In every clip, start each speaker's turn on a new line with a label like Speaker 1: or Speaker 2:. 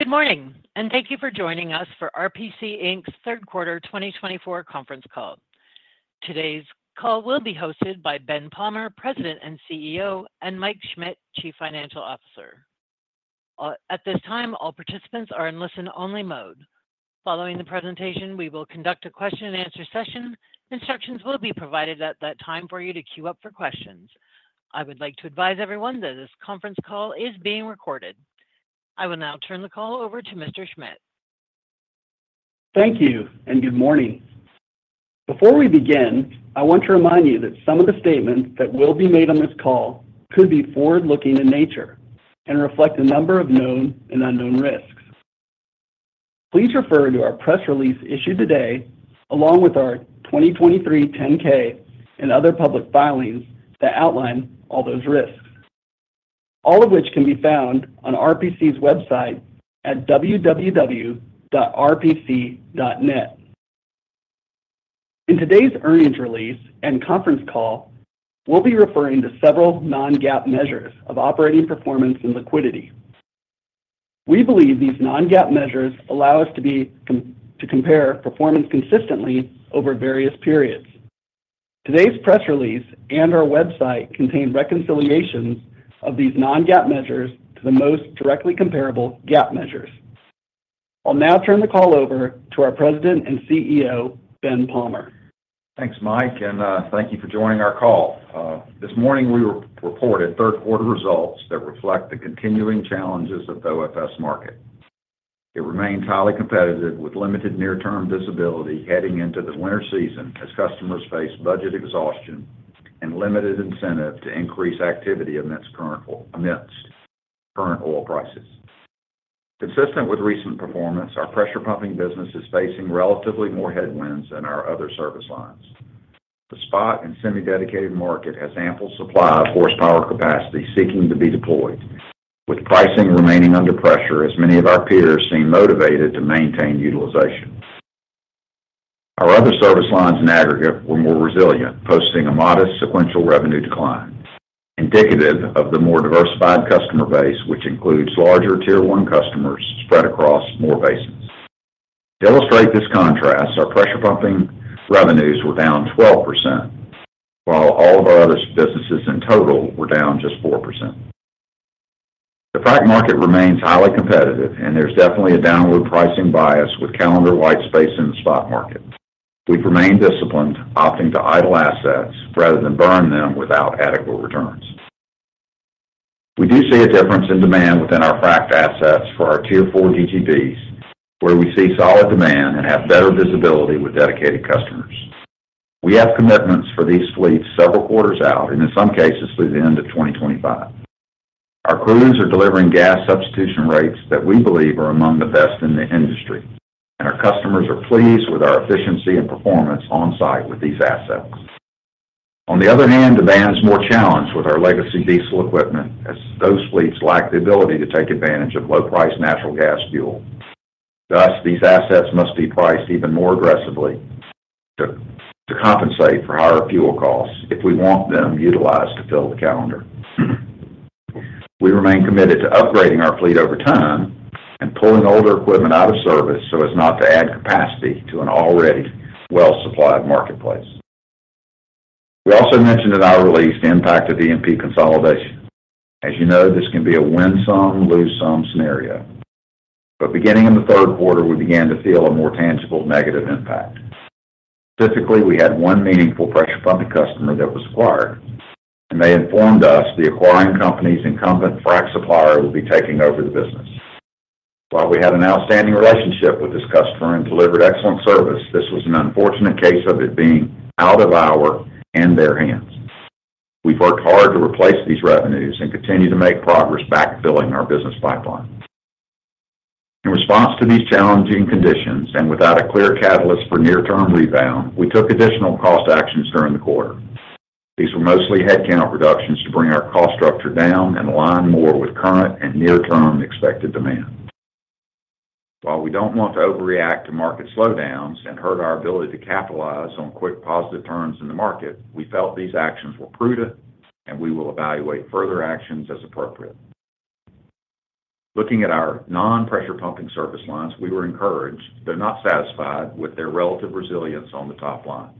Speaker 1: Good morning, and thank you for joining us for RPC, Inc.'s Third Quarter 2024 Conference Call. Today's call will be hosted by Ben Palmer, President and CEO, and Mike Schmit, Chief Financial Officer. At this time, all participants are in listen-only mode. Following the presentation, we will conduct a question-and-answer session. Instructions will be provided at that time for you to queue up for questions. I would like to advise everyone that this conference call is being recorded. I will now turn the call over to Mr. Schmit.
Speaker 2: Thank you, and good morning. Before we begin, I want to remind you that some of the statements that will be made on this call could be forward-looking in nature and reflect a number of known and unknown risks. Please refer to our press release issued today, along with our 2023 10-K and other public filings that outline all those risks, all of which can be found on RPC's website at www.rpc.net. In today's earnings release and conference call, we'll be referring to several non-GAAP measures of operating performance and liquidity. We believe these non-GAAP measures allow us to compare performance consistently over various periods. Today's press release and our website contain reconciliations of these non-GAAP measures to the most directly comparable GAAP measures. I'll now turn the call over to our President and CEO, Ben Palmer.
Speaker 3: Thanks, Mike, and thank you for joining our call. This morning, we reported third quarter results that reflect the continuing challenges of the OFS market. It remains highly competitive, with limited near-term visibility heading into the winter season as customers face budget exhaustion and limited incentive to increase activity amidst current oil prices. Consistent with recent performance, our pressure pumping business is facing relatively more headwinds than our other service lines. The spot and semi-dedicated market has ample supply of horsepower capacity seeking to be deployed, with pricing remaining under pressure as many of our peers seem motivated to maintain utilization. Our other service lines in aggregate were more resilient, posting a modest sequential revenue decline, indicative of the more diversified customer base, which includes larger Tier 1 customers spread across more basins. To illustrate this contrast, our pressure pumping revenues were down 12%, while all of our other businesses in total were down just 4%. The frac market remains highly competitive, and there's definitely a downward pricing bias with calendar white space in the spot market. We've remained disciplined, opting to idle assets rather than burn them without adequate returns. We do see a difference in demand within our frac assets for our Tier 4 DGBs, where we see solid demand and have better visibility with dedicated customers. We have commitments for these fleets several quarters out, and in some cases, through the end of 2025. Our crews are delivering gas substitution rates that we believe are among the best in the industry, and our customers are pleased with our efficiency and performance on-site with these assets. On the other hand, demand is more challenged with our legacy diesel equipment, as those fleets lack the ability to take advantage of low-price natural gas fuel. Thus, these assets must be priced even more aggressively to compensate for higher fuel costs if we want them utilized to fill the calendar. We remain committed to upgrading our fleet over time and pulling older equipment out of service so as not to add capacity to an already well-supplied marketplace. We also mentioned in our release the impact of E&P consolidation. As you know, this can be a win some, lose some scenario. But beginning in the third quarter, we began to feel a more tangible negative impact. Specifically, we had one meaningful pressure pumping customer that was acquired, and they informed us the acquiring company's incumbent frac supplier will be taking over the business. While we had an outstanding relationship with this customer and delivered excellent service, this was an unfortunate case of it being out of our and their hands. We've worked hard to replace these revenues and continue to make progress backfilling our business pipeline. In response to these challenging conditions, and without a clear catalyst for near-term rebound, we took additional cost actions during the quarter. These were mostly headcount reductions to bring our cost structure down and align more with current and near-term expected demand. While we don't want to overreact to market slowdowns and hurt our ability to capitalize on quick positive turns in the market, we felt these actions were prudent, and we will evaluate further actions as appropriate. Looking at our non-pressure pumping service lines, we were encouraged, though not satisfied, with their relative resilience on the top line.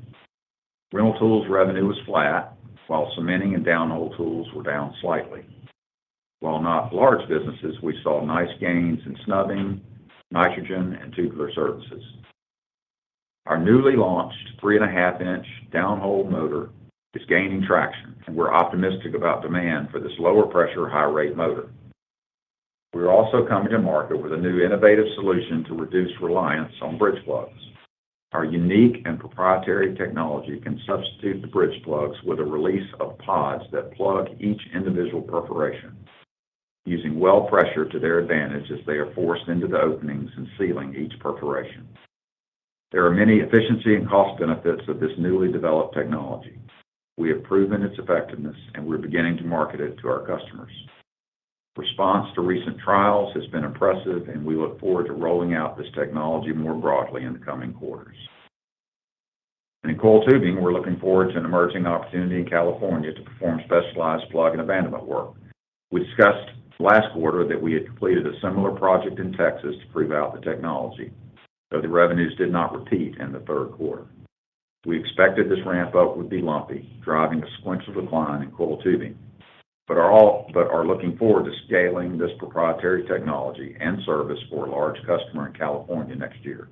Speaker 3: Rental tools revenue was flat, while cementing and downhole tools were down slightly. While not large businesses, we saw nice gains in snubbing, nitrogen, and tubular services. Our newly launched 3.5-inch downhole motor is gaining traction, and we're optimistic about demand for this lower pressure, high-rate motor. We're also coming to market with a new innovative solution to reduce reliance on bridge plugs. Our unique and proprietary technology can substitute the bridge plugs with a release of pods that plug each individual perforation, using well pressure to their advantage as they are forced into the openings and sealing each perforation. There are many efficiency and cost benefits of this newly developed technology. We have proven its effectiveness, and we're beginning to market it to our customers. Response to recent trials has been impressive, and we look forward to rolling out this technology more broadly in the coming quarters. In coiled tubing, we're looking forward to an emerging opportunity in California to perform specialized plug and abandonment work. We discussed last quarter that we had completed a similar project in Texas to prove out the technology, though the revenues did not repeat in the third quarter. We expected this ramp-up would be lumpy, driving a sequential decline in coiled tubing, but are looking forward to scaling this proprietary technology and service for a large customer in California next year.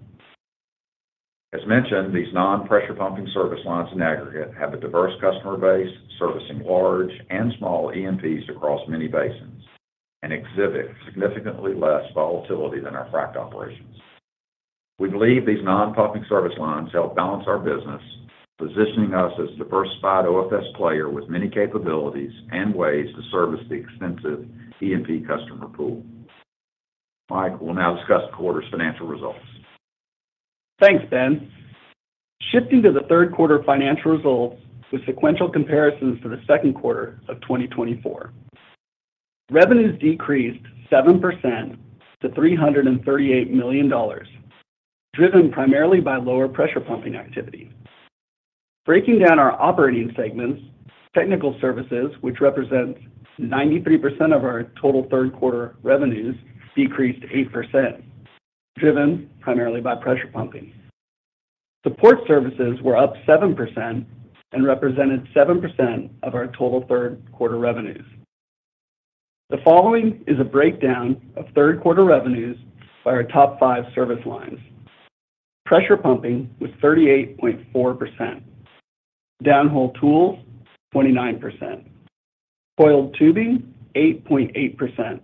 Speaker 3: As mentioned, these non-pressure pumping service lines in aggregate have a diverse customer base, servicing large and small E&Ps across many basins, and exhibit significantly less volatility than our frac operations. We believe these non-pumping service lines help balance our business, positioning us as a diversified OFS player with many capabilities and ways to service the extensive E&P customer pool. Mike will now discuss the quarter's financial results.
Speaker 2: Thanks, Ben. Shifting to the third quarter financial results with sequential comparisons to the second quarter of 2024. Revenues decreased 7% to $338 million, driven primarily by lower pressure pumping activity. Breaking down our operating segments, technical services, which represents 93% of our total third quarter revenues, decreased 8%, driven primarily by pressure pumping. Support services were up 7% and represented 7% of our total third quarter revenues. The following is a breakdown of third quarter revenues by our top five service lines. Pressure pumping was 38.4%, downhole tools, 29%, coiled tubing, 8.8%,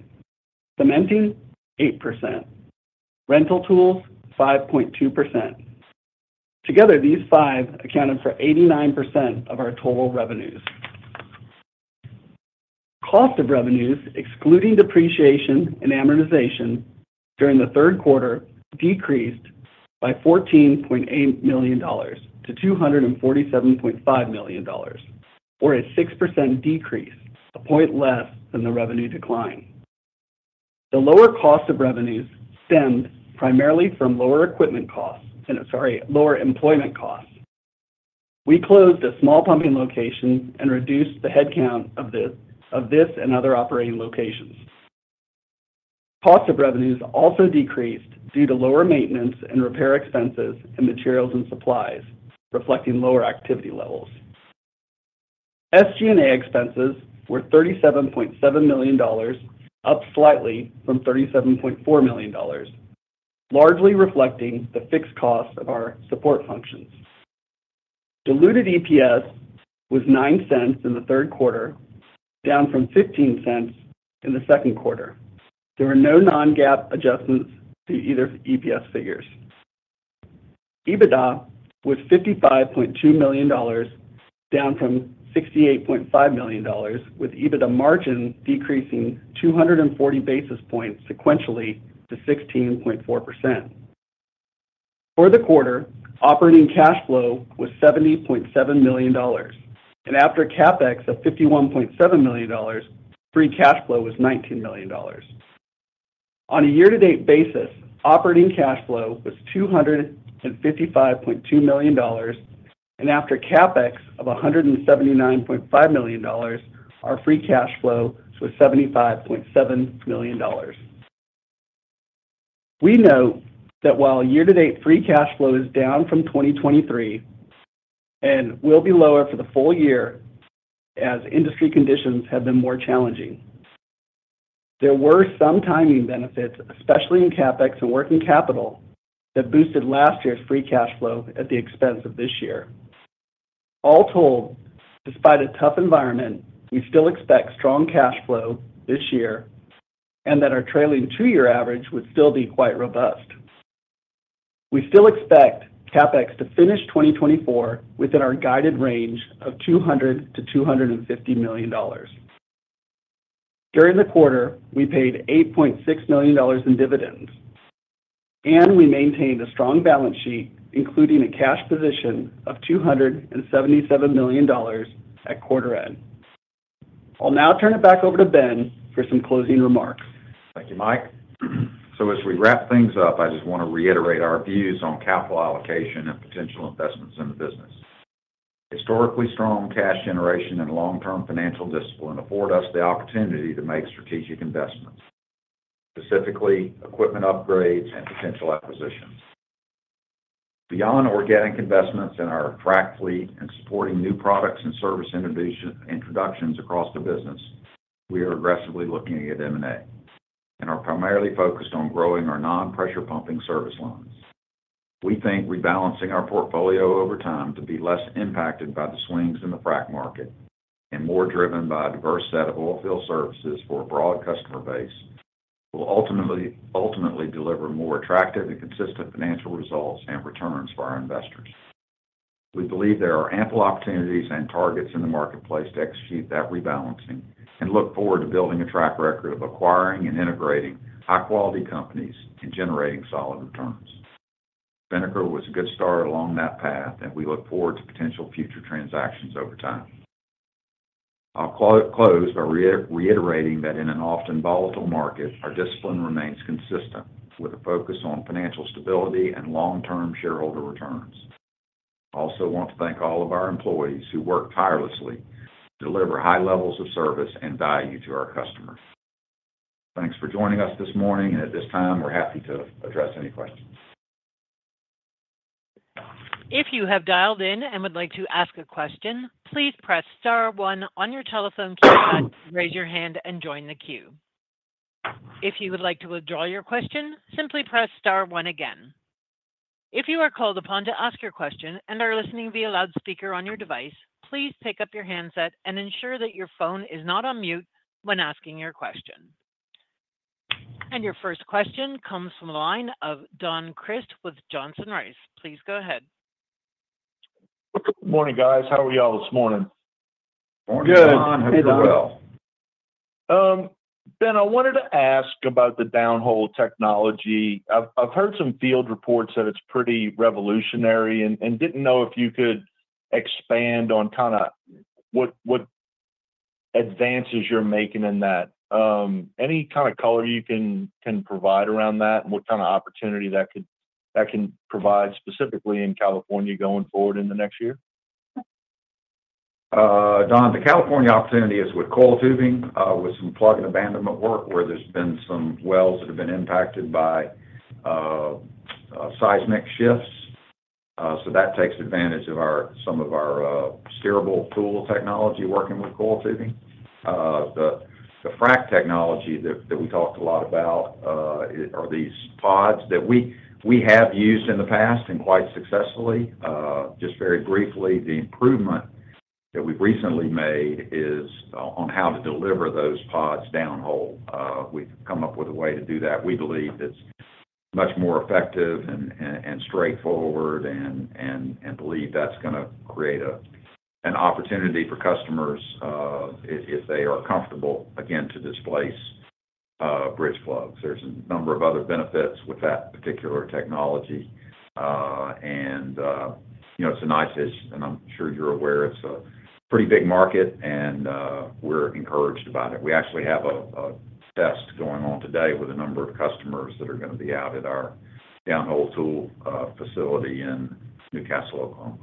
Speaker 2: cementing, 8%, rental tools, 5.2%. Together, these five accounted for 89% of our total revenues. Cost of revenues, excluding depreciation and amortization, during the third quarter decreased by $14.8 million to $247.5 million, or a 6% decrease, a point less than the revenue decline. The lower cost of revenues stemmed primarily from lower equipment costs, sorry, lower employment costs. We closed a small pumping location and reduced the headcount of this and other operating locations. Cost of revenues also decreased due to lower maintenance and repair expenses and materials and supplies, reflecting lower activity levels. SG&A expenses were $37.7 million, up slightly from $37.4 million, largely reflecting the fixed costs of our support functions. Diluted EPS was $0.09 in the third quarter, down from $0.15 in the second quarter. There are no non-GAAP adjustments to either EPS figures. EBITDA was $55.2 million, down from $68.5 million, with EBITDA margin decreasing 240 basis points sequentially to 16.4%. For the quarter, operating cash flow was $70.7 million, and after CapEx of $51.7 million, free cash flow was $19 million. On a year-to-date basis, operating cash flow was $255.2 million, and after CapEx of $179.5 million, our free cash flow was $75.7 million. We know that while year-to-date free cash flow is down from 2023, and will be lower for the full year, as industry conditions have been more challenging. There were some timing benefits, especially in CapEx and working capital, that boosted last year's free cash flow at the expense of this year. All told, despite a tough environment, we still expect strong cash flow this year and that our trailing two-year average would still be quite robust. We still expect CapEx to finish 2024 within our guided range of $200 million to $250 million. During the quarter, we paid $8.6 million in dividends, and we maintained a strong balance sheet, including a cash position of $277 million at quarter end. I'll now turn it back over to Ben for some closing remarks.
Speaker 3: Thank you, Mike, so as we wrap things up, I just want to reiterate our views on capital allocation and potential investments in the business. Historically strong cash generation and long-term financial discipline afford us the opportunity to make strategic investments, specifically equipment upgrades and potential acquisitions. Beyond organic investments in our frac fleet and supporting new products and service innovation, introductions across the business, we are aggressively looking at M&A, and are primarily focused on growing our non-pressure pumping service lines. We think rebalancing our portfolio over time to be less impacted by the swings in the frac market and more driven by a diverse set of oil field services for a broad customer base, will ultimately, ultimately deliver more attractive and consistent financial results and returns for our investors. We believe there are ample opportunities and targets in the marketplace to execute that rebalancing, and look forward to building a track record of acquiring and integrating high-quality companies, and generating solid returns. Spinnaker was a good start along that path, and we look forward to potential future transactions over time.... I'll close by reiterating that in an often volatile market, our discipline remains consistent, with a focus on financial stability and long-term shareholder returns. I also want to thank all of our employees who work tirelessly to deliver high levels of service and value to our customers. Thanks for joining us this morning, and at this time, we're happy to address any questions.
Speaker 1: If you have dialed in and would like to ask a question, please press star one on your telephone keypad to raise your hand and join the queue. If you would like to withdraw your question, simply press star one again. If you are called upon to ask your question and are listening via loudspeaker on your device, please pick up your handset and ensure that your phone is not on mute when asking your question. And your first question comes from the line of Don Crist with Johnson Rice. Please go ahead.
Speaker 4: Good morning, guys. How are y'all this morning?
Speaker 3: Morning, Don. Good. Hope you're well.
Speaker 4: Ben, I wanted to ask about the downhole technology. I've heard some field reports that it's pretty revolutionary and didn't know if you could expand on kind of what advances you're making in that. Any kind of color you can provide around that, and what kind of opportunity that can provide specifically in California going forward in the next year?
Speaker 3: Don, the California opportunity is with coiled tubing with some plug and abandonment work, where there's been some wells that have been impacted by seismic shifts. So that takes advantage of some of our steerable tool technology working with coiled tubing. The frac technology that we talked a lot about are these pods that we have used in the past, and quite successfully. Just very briefly, the improvement that we've recently made is on how to deliver those pods downhole. We've come up with a way to do that. We believe it's much more effective and straightforward and believe that's gonna create an opportunity for customers if they are comfortable again to displace bridge plugs. There's a number of other benefits with that particular technology. You know, it's a nice niche, and I'm sure you're aware it's a pretty big market, and we're encouraged about it. We actually have a test going on today with a number of customers that are gonna be out at our downhole tool facility in Newcastle, Oklahoma.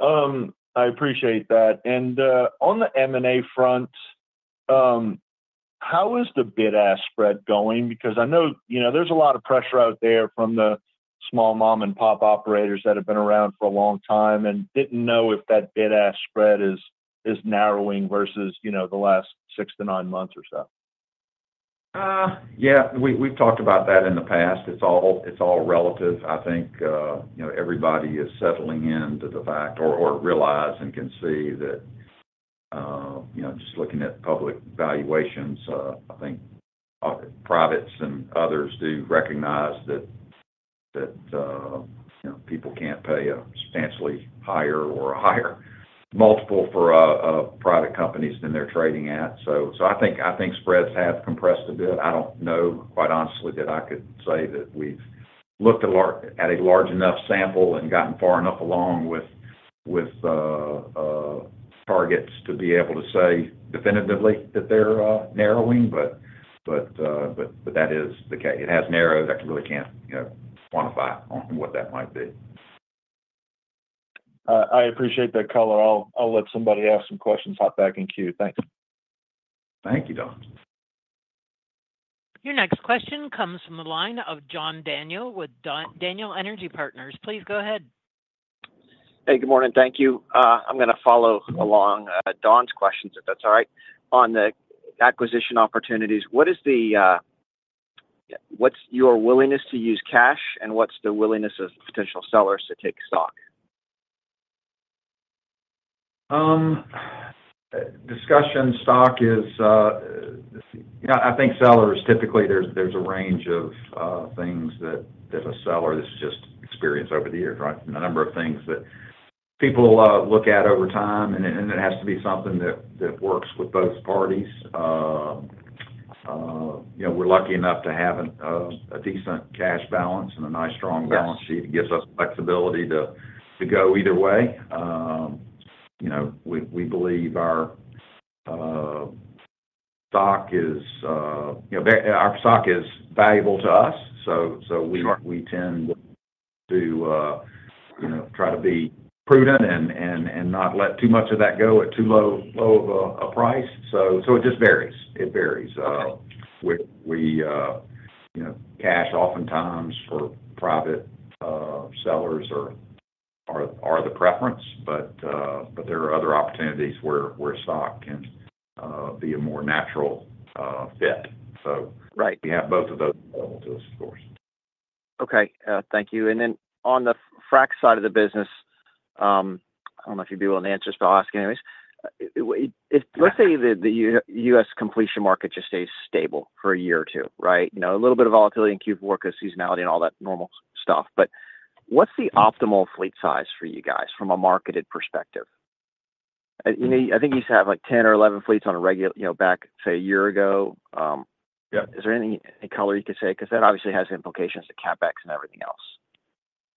Speaker 4: Okay. I appreciate that, and on the M&A front, how is the bid-ask spread going? Because I know, you know, there's a lot of pressure out there from the small mom-and-pop operators that have been around for a long time, and didn't know if that bid-ask spread is narrowing versus, you know, the last six to nine months or so.
Speaker 3: Yeah, we, we've talked about that in the past. It's all relative. I think you know, everybody is settling in to the fact or realize and can see that you know, just looking at public valuations, I think privates and others do recognize that you know, people can't pay a substantially higher multiple for private companies than they're trading at. So I think spreads have compressed a bit. I don't know, quite honestly, that I could say that we've looked at a large enough sample and gotten far enough along with targets to be able to say definitively that they're narrowing. But that is the case. It has narrowed. I really can't you know, quantify on what that might be.
Speaker 4: I appreciate that color. I'll let somebody ask some questions, hop back in queue. Thank you.
Speaker 3: Thank you, Don.
Speaker 1: Your next question comes from the line of John Daniel with Daniel Energy Partners. Please go ahead.
Speaker 5: Hey, good morning. Thank you. I'm gonna follow along, Don's questions, if that's all right. On the acquisition opportunities, what's your willingness to use cash, and what's the willingness of potential sellers to take stock?
Speaker 3: Discussing stock is, let's see. You know, I think sellers, typically, there's a range of things that a seller, this is just experience over the years, right? A number of things that people look at over time, and it has to be something that works with both parties. You know, we're lucky enough to have a decent cash balance and a nice, strong balance sheet.
Speaker 5: Yes.
Speaker 3: It gives us flexibility to go either way. You know, we believe our stock is, you know, our stock is valuable to us, so we-
Speaker 5: Sure...
Speaker 3: we tend to, you know, try to be prudent and not let too much of that go at too low of a price. So it just varies. It varies.
Speaker 5: Okay.
Speaker 3: You know, cash oftentimes for private sellers are the preference, but there are other opportunities where stock can be a more natural fit. So-
Speaker 5: Right...
Speaker 3: we have both of those available to us, of course.
Speaker 5: Okay, thank you. And then, on the frack side of the business, I don't know if you'd be willing to answer, so I'll ask anyways. Let's say the U.S. completion market just stays stable for a year or two, right? You know, a little bit of volatility in cube work or seasonality and all that normal stuff, but what's the optimal fleet size for you guys from a marketed perspective? You know, I think you used to have, like, 10 or 11 fleets on a regular, you know, back, say, a year ago?
Speaker 3: Yeah.
Speaker 5: Is there any color you could say? 'Cause that obviously has implications to CapEx and everything else....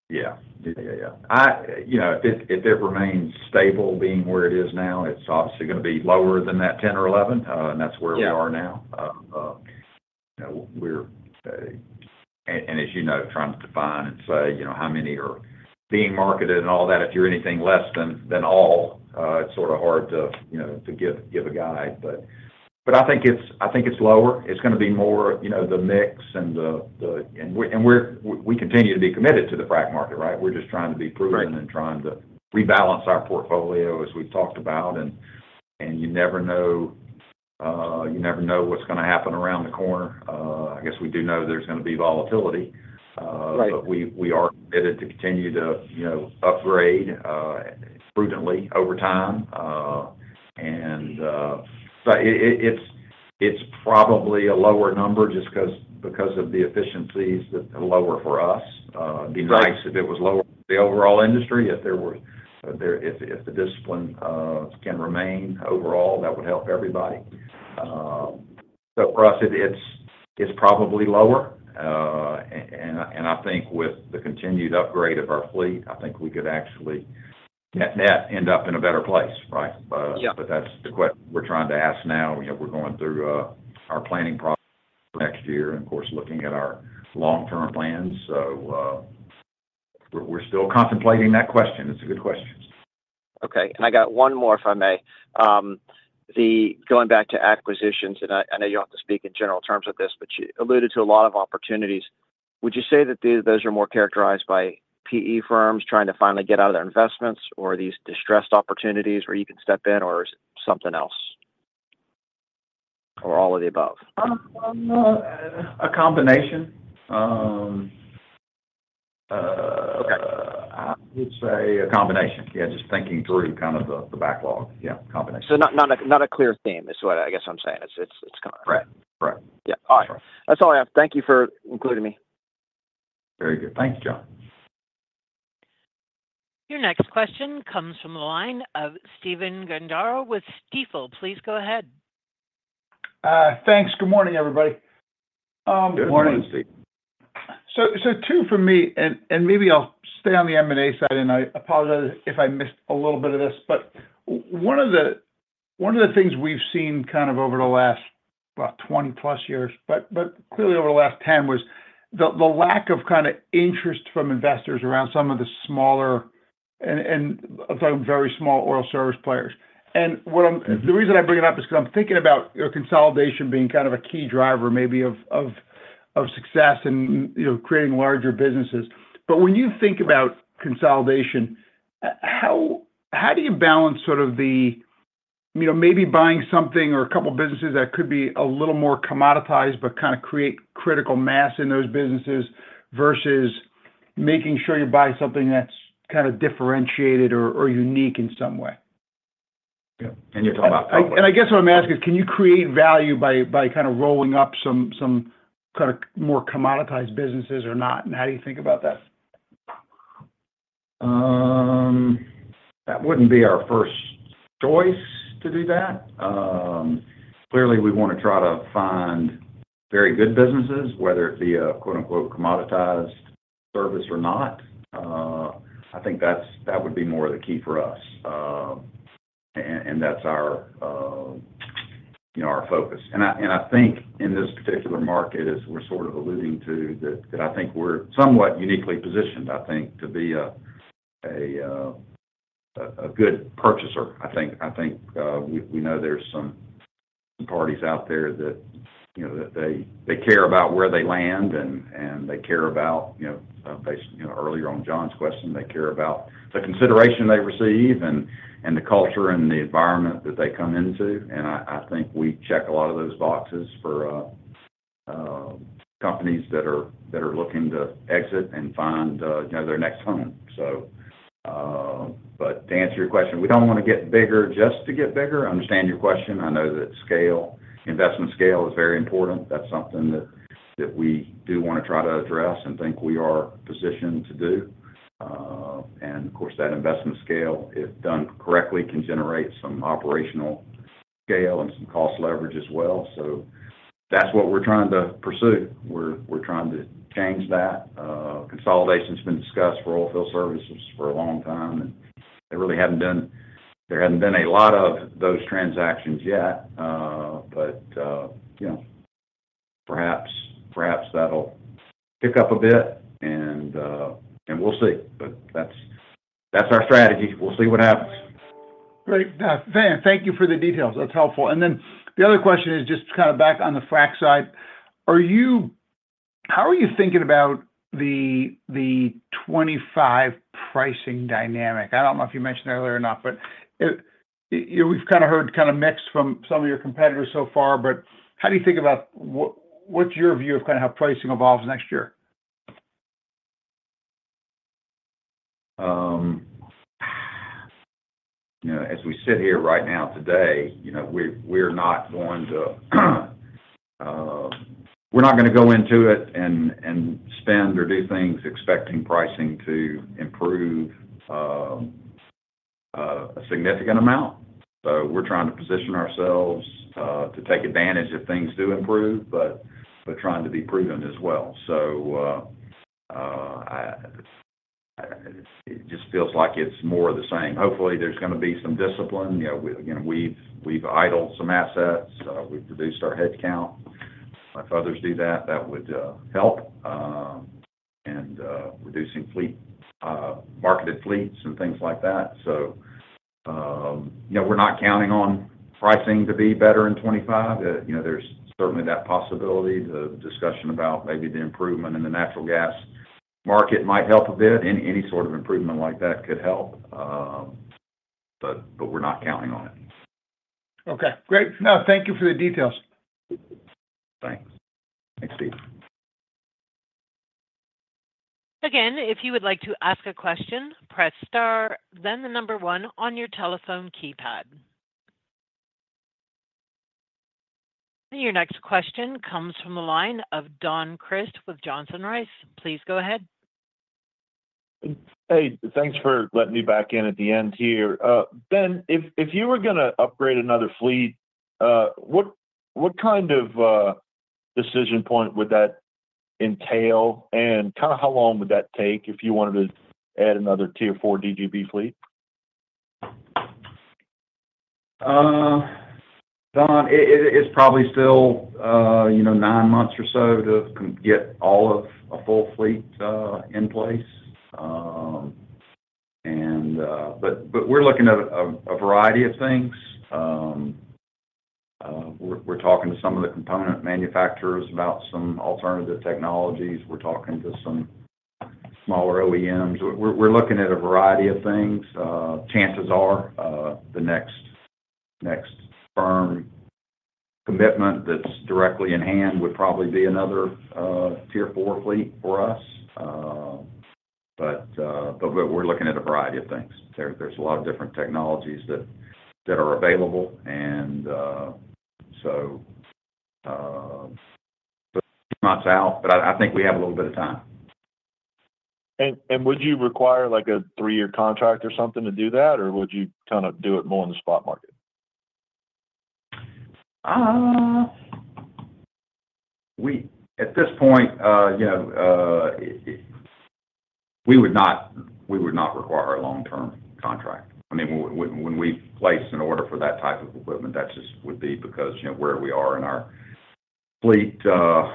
Speaker 3: Yeah. Yeah, yeah, yeah. I, you know, if it remains stable, being where it is now, it's obviously going to be lower than that 10 or 11, and that's where we are now.
Speaker 5: Yeah.
Speaker 3: You know, we're and as you know, trying to define and say, you know, how many are being marketed and all that, if you're anything less than all, it's sort of hard to, you know, to give a guide. But I think it's lower. It's gonna be more, you know, the mix and the and we're, we continue to be committed to the frac market, right? We're just trying to be prudent-
Speaker 5: Right.
Speaker 3: and trying to rebalance our portfolio as we've talked about. And you never know, you never know what's gonna happen around the corner. I guess we do know there's gonna be volatility.
Speaker 5: Right.
Speaker 3: But we are committed to continue to, you know, upgrade prudently over time, and so it's probably a lower number just because of the efficiencies that are lower for us.
Speaker 5: Right.
Speaker 3: It'd be nice if it was lower for the overall industry. If the discipline can remain overall, that would help everybody, but for us, it's probably lower, and I think with the continued upgrade of our fleet, we could actually net end up in a better place, right?
Speaker 5: Yeah.
Speaker 3: But that's the question we're trying to ask now. You know, we're going through our planning process for next year and, of course, looking at our long-term plans. So, we're still contemplating that question. It's a good question.
Speaker 5: Okay, and I got one more, if I may. Going back to acquisitions, and I know you have to speak in general terms with this, but you alluded to a lot of opportunities. Would you say that those are more characterized by PE firms trying to finally get out of their investments, or are these distressed opportunities where you can step in, or is something else, or all of the above?
Speaker 3: A combination.
Speaker 5: Okay.
Speaker 3: I'd say a combination. Yeah, just thinking through kind of the backlog. Yeah, combination.
Speaker 5: Not a clear theme is what I guess I'm saying. It's kind of-
Speaker 3: Right. Right.
Speaker 5: Yeah.
Speaker 3: Right.
Speaker 5: All right. That's all I have. Thank you for including me.
Speaker 3: Very good. Thanks, John.
Speaker 1: Your next question comes from the line of Stephen Gengaro with Stifel. Please go ahead.
Speaker 6: Thanks. Good morning, everybody.
Speaker 3: Good morning, Stephen.
Speaker 6: So two for me, and maybe I'll stay on the M&A side, and I apologize if I missed a little bit of this. But one of the things we've seen kind of over the last about twenty plus years, but clearly over the last ten, was the lack of kind of interest from investors around some of the smaller... and some very small oil service players. And what I'm-
Speaker 3: Mm-hmm.
Speaker 6: The reason I bring it up is because I'm thinking about, you know, consolidation being kind of a key driver, maybe of success and, you know, creating larger businesses. But when you think about consolidation, how do you balance sort of the, you know, maybe buying something or a couple of businesses that could be a little more commoditized, but kind of create critical mass in those businesses, versus making sure you're buying something that's kind of differentiated or unique in some way?
Speaker 3: Yeah. And you're talking about-
Speaker 6: I guess what I'm asking is, can you create value by kind of rolling up some kind of more commoditized businesses or not? And how do you think about that?
Speaker 3: That wouldn't be our first choice to do that. Clearly, we want to try to find very good businesses, whether it be a quote, unquote, "commoditized service or not." I think that would be more the key for us. And that's our, you know, our focus. And I think in this particular market, as we're sort of alluding to, that I think we're somewhat uniquely positioned, I think, to be a good purchaser. I think we know there's some parties out there that, you know, that they care about where they land, and they care about, you know, based... You know, earlier on John's question, they care about the consideration they receive, and the culture, and the environment that they come into, and I think we check a lot of those boxes for companies that are looking to exit and find, you know, their next home. So, but to answer your question, we don't want to get bigger just to get bigger. I understand your question. I know that scale, investment scale is very important. That's something that we do want to try to address and think we are positioned to do. And of course, that investment scale, if done correctly, can generate some operational scale and some cost leverage as well. So that's what we're trying to pursue. We're trying to change that. Consolidation's been discussed for oilfield services for a long time, and there really hadn't been a lot of those transactions yet, but you know, perhaps that'll pick up a bit, and we'll see, but that's our strategy. We'll see what happens.
Speaker 6: Great. Thank you for the details. That's helpful. And then the other question is just kind of back on the frac side. Are you? How are you thinking about the '25 pricing dynamic? I don't know if you mentioned it earlier or not, but we've kind of heard kind of mixed from some of your competitors so far, but how do you think about... What's your view of kind of how pricing evolves next year?
Speaker 3: You know, as we sit here right now, today, you know, we're not going to go into it and spend or do things expecting pricing to improve a significant amount. So we're trying to position ourselves to take advantage if things do improve, but we're trying to be prudent as well. So it just feels like it's more of the same. Hopefully, there's gonna be some discipline. You know, again, we've idled some assets, we've reduced our headcount. If others do that, that would help, and reducing fleet, marketed fleets and things like that. So you know, we're not counting on pricing to be better in 2025. You know, there's certainly that possibility. The discussion about maybe the improvement in the natural gas market might help a bit. Any sort of improvement like that could help, but we're not counting on it.
Speaker 6: Okay, great. No, thank you for the details.
Speaker 3: Thanks. Thanks, Steve.
Speaker 1: Again, if you would like to ask a question, press star, then the number one on your telephone keypad. Your next question comes from the line of Don Crist with Johnson Rice. Please go ahead.
Speaker 4: Hey, thanks for letting me back in at the end here. Ben, if you were gonna upgrade another fleet, what kind of decision point would that entail? And kind of how long would that take if you wanted to add another Tier 4 DGB fleet?
Speaker 3: Don, it's probably still, you know, nine months or so to get all of a full fleet in place. But we're looking at a variety of things. We're talking to some of the component manufacturers about some alternative technologies. We're talking to some smaller OEMs. We're looking at a variety of things. Chances are, the next firm commitment that's directly in hand would probably be another Tier 4 fleet for us. But we're looking at a variety of things. There's a lot of different technologies that are available, and so a few months out, but I think we have a little bit of time.
Speaker 4: Would you require, like, a three-year contract or something to do that, or would you kind of do it more in the spot market?
Speaker 3: At this point, you know, we would not require a long-term contract. I mean, when we place an order for that type of equipment, that just would be because, you know, where we are in our fleet, the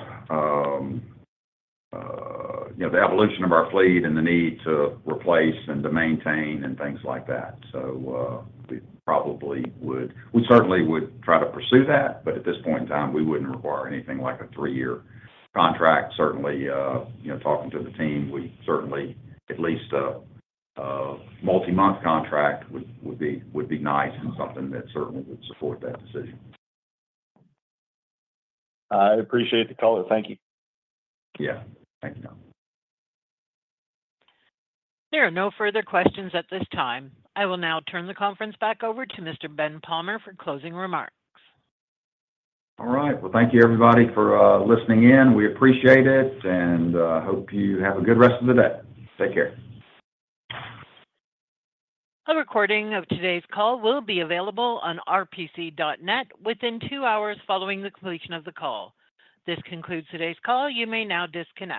Speaker 3: evolution of our fleet and the need to replace and to maintain, and things like that. So, we probably would certainly try to pursue that, but at this point in time, we wouldn't require anything like a three-year contract. Certainly, you know, talking to the team, we certainly at least a multi-month contract would be nice and something that certainly would support that decision.
Speaker 4: I appreciate the call. Thank you.
Speaker 3: Yeah. Thanks, Don.
Speaker 1: There are no further questions at this time. I will now turn the conference back over to Mr. Ben Palmer for closing remarks.
Speaker 3: All right. Thank you, everybody, for listening in. We appreciate it, and hope you have a good rest of the day. Take care.
Speaker 1: A recording of today's call will be available on rpc.net within two hours following the completion of the call. This concludes today's call. You may now disconnect.